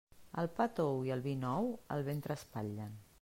El pa tou i el vi nou el ventre espatllen.